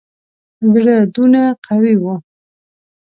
زړه دونه قوي وو.